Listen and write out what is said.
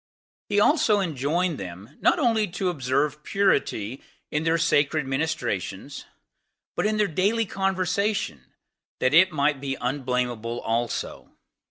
He also enjoined them, not only to observe purity in their sacred ministrations, but in their daily conversation, that it might be unblamable also.